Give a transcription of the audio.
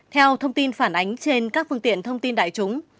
theo thông tin phản ánh trên các phương tiện thông tin đại chúng